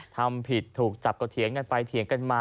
ทำผิดถูกจับก็เถียงกันไปเถียงกันมา